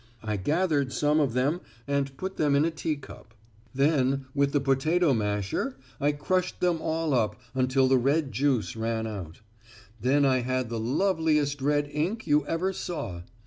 I gathered some of them and put them in a teacup. "Then, with the potato masher, I crushed them all up until the red juice ran out. Then I had the loveliest red ink you ever saw.